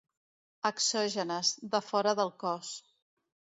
Exògenes: de fora del cos.